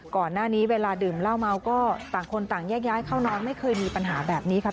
ก่อนหน้านี้เวลาดื่มเหล้าเมาก็ต่างคนต่างแยกย้ายเข้านอนไม่เคยมีปัญหาแบบนี้ครับ